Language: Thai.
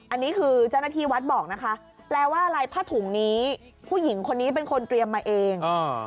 อันนี้คือเจ้าหน้าที่วัดบอกนะคะแปลว่าอะไรผ้าถุงนี้ผู้หญิงคนนี้เป็นคนเตรียมมาเอง